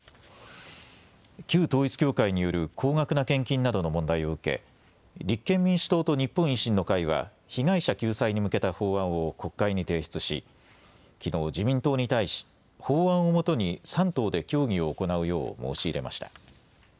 旧統一教会による高額な献金などの問題を受け立憲民主党と日本維新の会は被害者救済に向けた法案を国会に提出しきのう自民党に対し法案をもとに３党で協議を行うよう申し入れました。